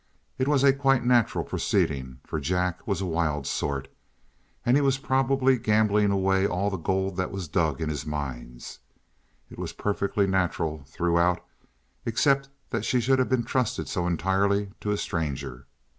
It was a quite natural proceeding, for Jack was a wild sort, and he was probably gambling away all the gold that was dug in his mines. It was perfectly natural throughout, except that she should have been trusted so entirely to a stranger.